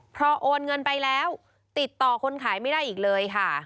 พอโอนเงินไปแล้วติดต่อคนขายไม่ได้อีกเลยค่ะ